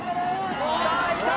さあいった！